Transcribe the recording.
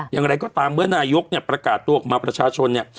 อย่างไรก็ตามเมื่อนายกเนี่ยประกาศตัวออกมาประชาชนเนี่ย